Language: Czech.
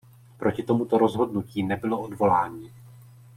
Proti tomuto rozhodnutí nebylo odvolání.